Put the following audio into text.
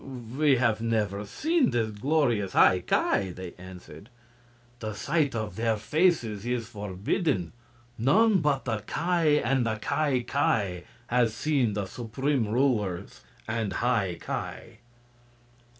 "We have never seen the glorious High Ki," they answered. "The sight of their faces is forbidden. None but the Ki and the Ki Ki has seen the Supreme Rulers and High Ki."